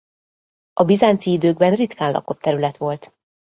A bizánci időkben ritkán lakott terület volt.